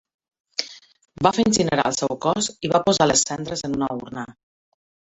Va fer incinerar el seu cos i va posar les cendres en una urna.